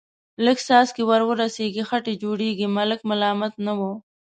لږ څاڅکي ور ورسېږي، خټې جوړېږي، ملک ملامت نه و.